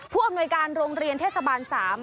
ผู้อำนวยการโรงเรียนเทศบาล๓